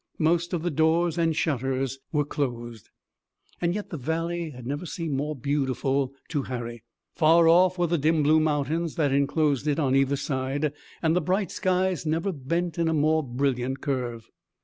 Most of the doors and shutters were closed. And yet the valley had never seemed more beautiful to Harry. Far off were the dim blue mountains that enclosed it on either side, and the bright skies never bent in a more brilliant curve.